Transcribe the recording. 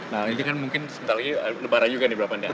nah ini kan mungkin sebentar lagi lebaran juga di bapak ndang